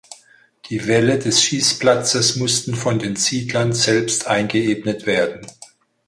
Die Wälle des Schießplatzes mussten von den Siedlern selbst eingeebnet werden.